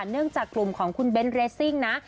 เนื่องจากกลุ่มของคุณเบ้นเรสซิ่งนะ